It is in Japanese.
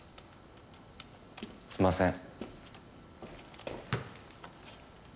すんません。